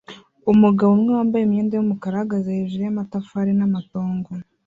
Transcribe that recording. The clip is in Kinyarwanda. Umugabo umwe wambaye imyenda yumukara ahagaze hejuru yamatafari namatongo